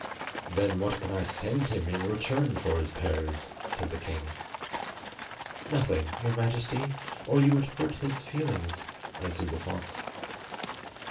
"Then what can I send him in return for his pears?" said the king. "Nothing, your Majesty, or you would hurt his feelings," answered the fox.